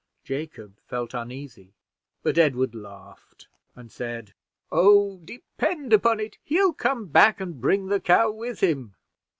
Jacob felt uneasy, but Edward laughed, and said: "Oh, depend upon it, he'll come back and bring the cow with him."